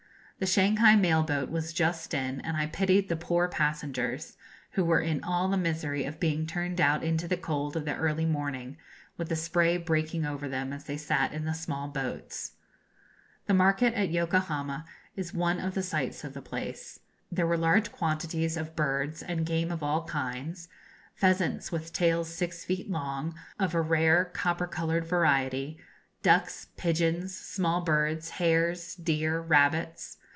The Shanghai mail boat was just in, and I pitied the poor passengers, who were in all the misery of being turned out into the cold of the early morning, with the spray breaking over them as they sat in the small boats. The market at Yokohama is one of the sights of the place. There were large quantities of birds and game of all kinds pheasants with tails six feet long, of a rare copper coloured variety, ducks, pigeons, small birds, hares, deer, rabbits.